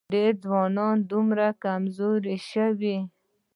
ډېری ځوانان دومره کمزوري شوي